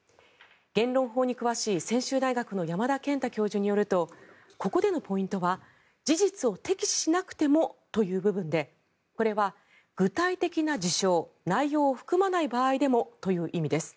言論法に詳しい専修大学の山田健太教授によるとここでのポイントは事実を摘示しなくてもという部分でこれは、具体的な事象・内容を含まない場合でもという意味です。